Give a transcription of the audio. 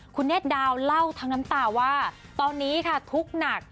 คุณเนธดาวเล่าทั้งน้ำตาว่าตอนนี้ค่ะทุกข์หนัก